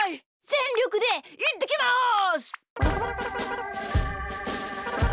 ぜんりょくでいってきます！